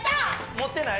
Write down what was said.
盛ってない？